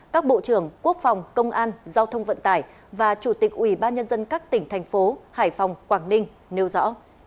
các bộ trưởng quốc phòng công an giao thông vận tải và chủ tịch ủy ban nhân dân các tỉnh thành phố hải phòng quảng ninh nêu rõ